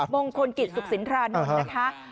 มงคลกิจศุกษินทรา๑นะคะ